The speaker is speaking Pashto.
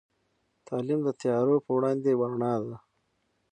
تعلیم د تيارو په وړاندې یوه رڼا ده.